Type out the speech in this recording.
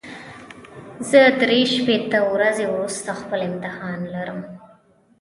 زه درې شپېته ورځې وروسته خپل امتحان لرم.